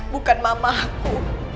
bukan mama aku